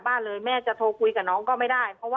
มันเป็นอาหารของพระราชา